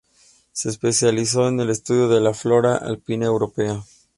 Se especializó en el estudio de la flora alpina europea.